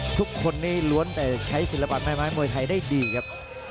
ทุกคนนี้ล้วนแต่ใช้ศิลปะแม่ไม้มวยไทยได้ดีครับ